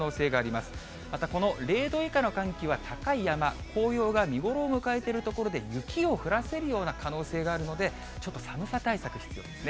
また、この０度以下の寒気は、高い山、紅葉が見頃を迎えている所で雪を降らせるような可能性があるので、ちょっと寒さ対策必要ですね。